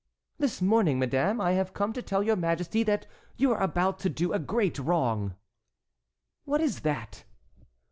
"This morning, madame, I have come to tell your majesty that you are about to do a great wrong." "What is that?"